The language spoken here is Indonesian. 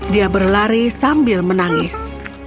dia berlari sambil menangis